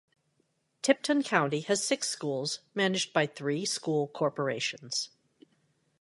Tipton County has six schools, managed by three school corporations.